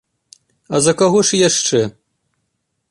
А за каго ж яшчэ?!